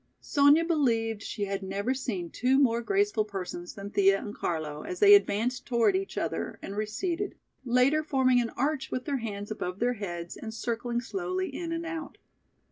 Sonya believed she had never seen two more graceful persons than Thea and Carlo as they advanced toward each other and receded, later forming an arch with their hands above their heads and circling slowly in and out.